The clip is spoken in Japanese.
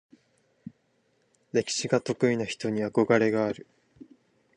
歴史が得意な人に憧れがある。